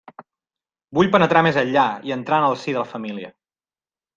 Vull penetrar més enllà, i entrar en el si de la família.